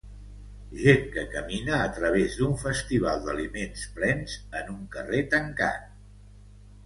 Gent que camina a través d'un Festival d'aliments plens en un carrer tancat